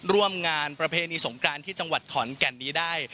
ร่วมงานประเพณีสงกรานที่จังหวัดขอนแก่นนี้ได้